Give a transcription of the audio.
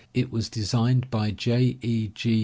It was designed by J. E. G.